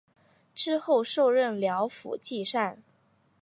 之后授任辽府纪善。